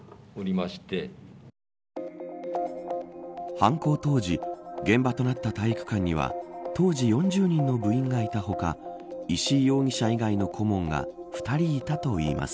犯行当時現場となった体育館には当時４０人の部員がいたほか石井容疑者以外の顧問が２人いたといいます。